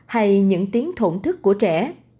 hay những tiếng thổn thức của trẻ